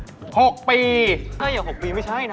ทางหน้าหยอก๖ปีไม่ใช่นะ